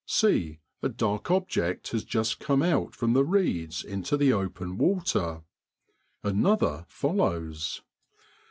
See ! a dark object has just come out from the reeds into the open water; another follows.